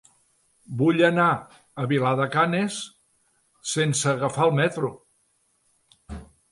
Vull anar a Vilar de Canes sense agafar el metro.